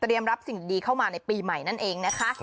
รับสิ่งดีเข้ามาในปีใหม่นั่นเองนะคะ